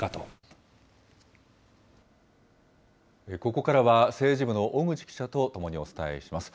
ここからは政治部の小口記者と共にお伝えします。